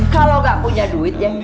kalau nggak punya duitnya